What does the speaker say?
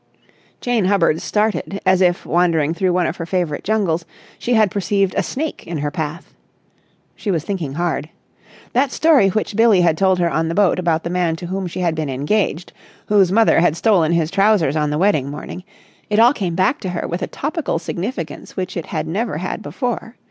Jane Hubbard started, as if, wandering through one of her favourite jungles, she had perceived a snake in her path. She was thinking hard. That story which Billie had told her on the boat about the man to whom she had been engaged, whose mother had stolen his trousers on the wedding morning ... it all came back to her with a topical significance which it had never had before.